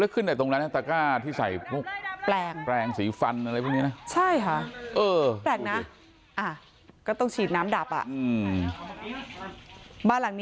เข้าได้ขึ้นไหนตรงร้านน